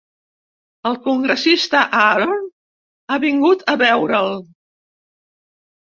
El congressista Aaron ha vingut a veure'l.